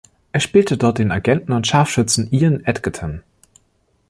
Er spielte dort den Agenten und Scharfschützen "Ian Edgerton".